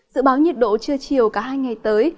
dự báo nhiệt độ trưa chiều cả hai ngày tới